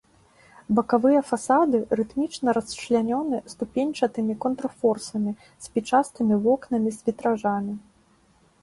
Бакавыя фасады рытмічна расчлянёны ступеньчатымі контрфорсамі, спічастымі вокнамі з вітражамі.